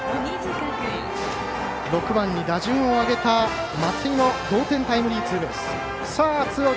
６番に打順を上げた松井の同点タイムリーツーベース。